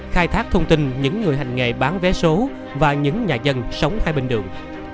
khai thác thông tin những người hành nghề bán vé số và những nhà dân sống hai bên đường